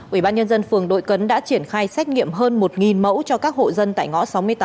ủy ban nhân dân phường đội cấn đã triển khai xét nghiệm hơn một mẫu cho các hộ dân tại ngõ sáu mươi tám